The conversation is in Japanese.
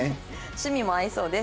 「趣味も合いそうです。